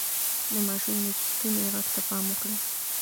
د ماشوم د ستوني غږ ته پام وکړئ.